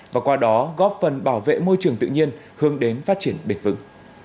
và qua đó góp phần bảo vệ môi trường tự nhiên hướng đến phát triển bền vững